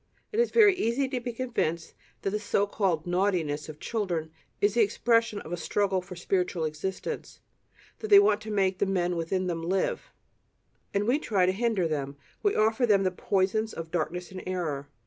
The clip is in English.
It is very easy to be convinced that the so called "naughtiness" of children is the expression of a "struggle for spiritual existence"; they want to make the men within them live, and we try to hinder them; we offer them the poisons of darkness and error.